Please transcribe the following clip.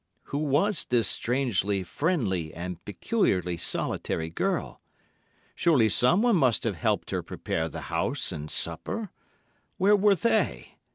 Who was this strangely friendly and peculiarly solitary girl? Surely someone must have helped her prepare the house and supper. Where were they?